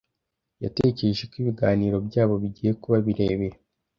Yatekereje ko ibiganiro byabo bigiye kuba birebire